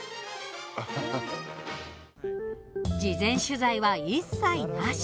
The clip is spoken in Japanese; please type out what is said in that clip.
事前取材は一切なし。